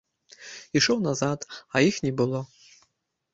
Ішоў назад, а іх не было.